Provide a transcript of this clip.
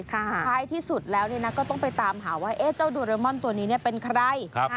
ท้ายที่สุดแล้วก็ต้องไปตามหาว่าเจ้าโดเรมอนตัวนี้เป็นใคร